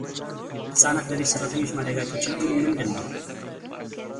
ሕጻናት በቤት ሠራተኞች ማደጋቸው ችግሩ ምንድን ነው?